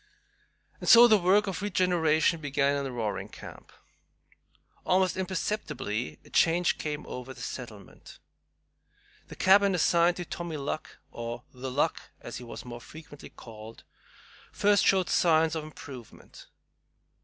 And so the work of regeneration began in Roaring Camp. Almost imperceptibly a change came over the settlement. The cabin assigned to "Tommy Luck" or "The Luck," as he was more frequently called first showed signs of improvement.